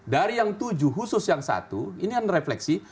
dari yang tujuh khusus yang satu ini yang refleksi